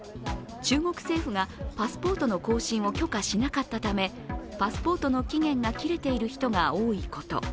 中国政府がパスポートの更新を許可しなかったためパスポートの期限が切れている人が多いこと。